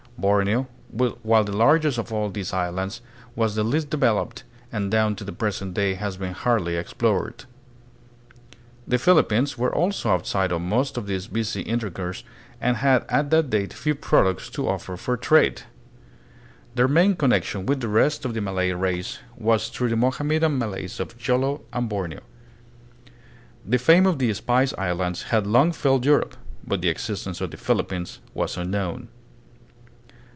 Borneo, while the largest of all these islands, was the least devel oped, and down to the present day has been hardly ex plored. The Philippines were also outside of most of this busy intercourse and had at that date few products to offer for trade. Their main connection with the rest of the Malay race was through the Mohammedan Malays of Jolo and Borneo. The fame of the Spice Islands had long filled Europe, but the existence of the Philippines was unknown.